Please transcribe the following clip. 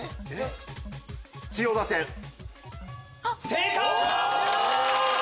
正解！